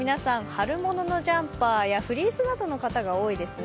春物のジャンパーや、フリースなどの方が多いですね。